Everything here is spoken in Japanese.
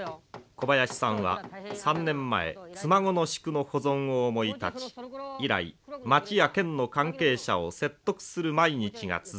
小林さんは３年前妻籠宿の保存を思い立ち以来町や県の関係者を説得する毎日が続きました。